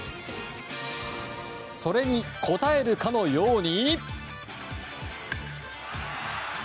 それに応えるかのように。